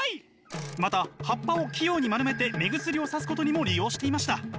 また葉っぱを器用に丸めて目薬をさすことにも利用していました。